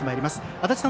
足達さん